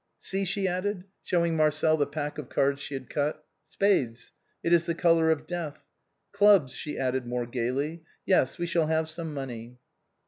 See," she added, showing Marcel the pack of cards she had cut, "Spades. It is the color of death. Clubs," she added more gaily, "yes, we shall have some money."